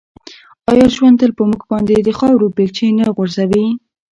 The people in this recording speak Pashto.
آیا ژوند تل په موږ باندې د خاورو بیلچې نه غورځوي؟